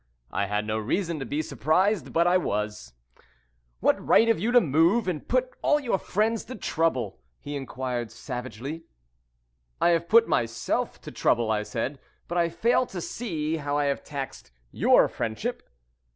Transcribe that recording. I had no reason to be surprised, but I was. "What right have you to move and put all your friends to trouble?" he enquired savagely. "I have put myself to trouble," I said, "but I fail to see how I have taxed your friendship."